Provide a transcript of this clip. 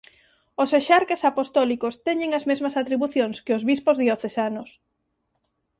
Os exarcas apostólicos teñen as mesmas atribucións que os bispos diocesanos.